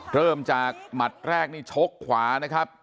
เริ่มจากหมัดแรกนี่ชกขวานะครับ